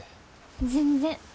全然。